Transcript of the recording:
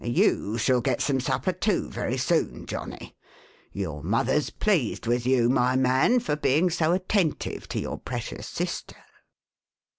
You shall get some supper too, very soon, Johnny. Your mother's pleased with you, my man, for being so attentive to your precious sister."